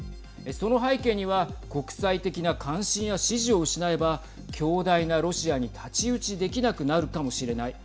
その背景には国際的な関心や支持を失えば強大なロシアに太刀打ちできなくなるかもしれない。